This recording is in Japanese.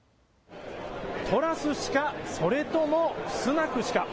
トラス氏かそれともスナク氏か。